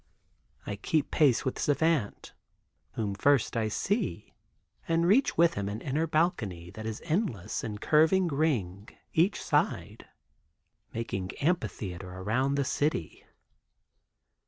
I keep pace with Savant, whom first I see and reach with him an inner balcony that is endless in curving ring each side, making amphitheater around the city.